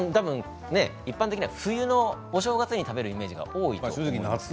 一般的には冬のお正月に食べるイメージが多いと思います。